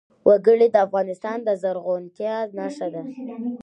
وګړي د افغانستان د زرغونتیا نښه ده.